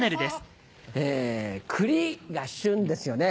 クリが旬ですよね。